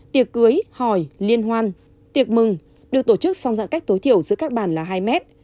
tiệc cưới hỏi liên hoan tiệc mừng được tổ chức song dạng cách tối thiểu giữa các bàn là hai mét